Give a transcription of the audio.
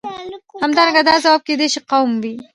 همدارنګه دا ځواک کېدای شي قوم وي.